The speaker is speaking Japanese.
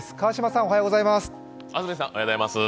安住さんおはようございます。